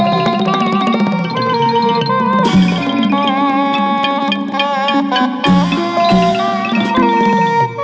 กลับมารับทราบ